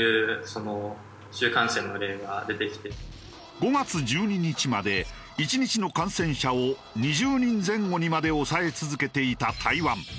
５月１２日まで１日の感染者を２０人前後にまで抑え続けていた台湾。